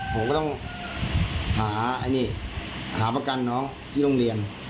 ผมก็ต้องหาอันนี้หาประกันน้องที่โรงเรียน